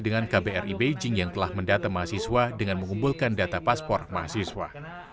dengan kbri beijing yang telah mendata mahasiswa dengan mengumpulkan data paspor mahasiswa